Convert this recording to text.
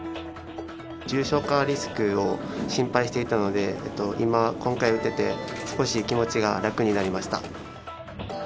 重症化リスクを心配していたので、今、今回打てて、少し気持ちが楽になりました。